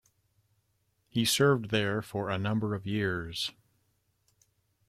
He served there for a number of years.